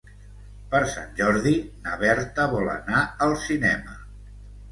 Per Sant Jordi na Berta vol anar al cinema.